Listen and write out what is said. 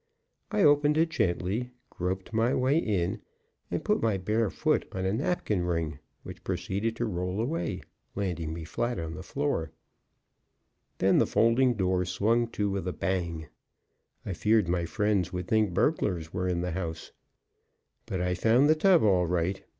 I opened it gently, groped my way in, and put my bare foot on a napkin ring, which proceeded to roll away, landing me flat on the floor. Then the folding door swung to with a bang. I feared my friends would think burglars were in the house. But I found the tub all right.